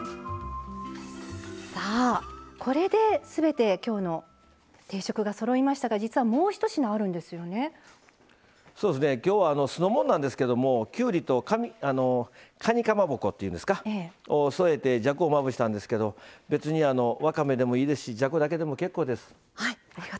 これですべて、きょうの定食がそろいましたが実はきょうは酢の物なんですけどきゅうりとかにかまぼこを添えてじゃこをまぶしたんですけど別にわかめでもいいですしじゃこだけでも結構です。